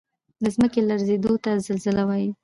د ځمکې لړزیدو ته زلزله وایي